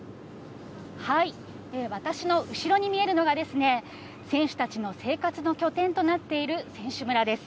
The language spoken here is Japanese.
私の後ろに見えるのが、選手たちの生活の拠点となっている選手村です。